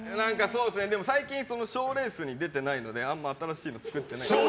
でも最近賞レースに出てないのであんま新しいの作ってないです。